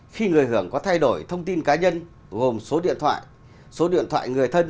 khi người hưởng có thay đổi thông tin cá nhân gồm số điện thoại số điện thoại người thân